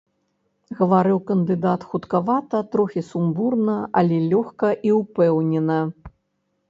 Гаварыў кандыдат хуткавата, трохі сумбурна, але лёгка і ўпэўнена.